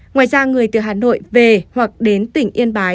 ngoài ra người từ hà nội về hoặc đến tỉnh yên bái